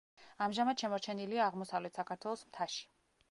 ამჟამად შემორჩენილია აღმოსავლეთ საქართველოს მთაში.